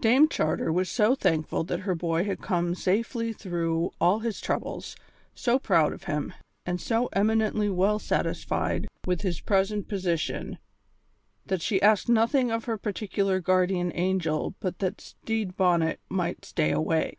Dame Charter was so thankful that her boy had come safely through all his troubles, so proud of him, and so eminently well satisfied with his present position, that she asked nothing of her particular guardian angel but that Stede Bonnet might stay away.